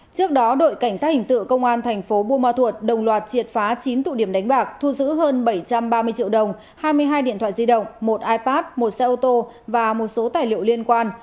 trước đó đội cảnh sát hình sự công an thành phố buôn ma thuột đồng loạt triệt phá chín tụ điểm đánh bạc thu giữ hơn bảy trăm ba mươi triệu đồng hai mươi hai điện thoại di động một ipad một xe ô tô và một số tài liệu liên quan